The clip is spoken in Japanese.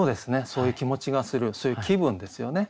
そういう気持ちがするそういう気分ですよね。